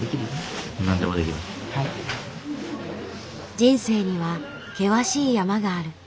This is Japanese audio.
人生には険しい山がある。